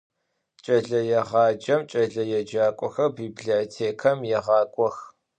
Ç'eleêğacem ç'eleêcak'oxer bibliotêkam yêğak'ox.